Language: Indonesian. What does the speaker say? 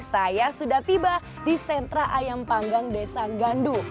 saya sudah tiba di sentra ayam panggang desa gandu